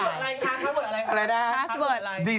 ค้าเบิร์ดอะไรค่ะค้าเบิร์ดอะไร